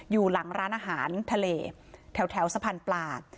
อยู่หลังร้านอาหารทะเลแถวสะพานปลา